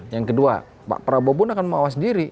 yang kedua pak prabowo pun akan mawas diri